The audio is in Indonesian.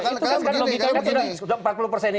itu kan logika ini